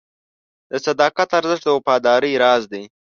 د صداقت ارزښت د وفادارۍ راز دی.